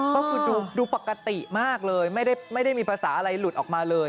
ก็คือดูปกติมากเลยไม่ได้มีภาษาอะไรหลุดออกมาเลย